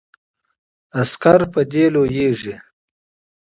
عسکر په دې لویږي.